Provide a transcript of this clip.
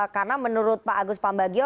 karena menurut pak agus pambagio